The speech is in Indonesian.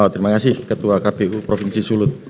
terima kasih ketua kpu provinsi sulut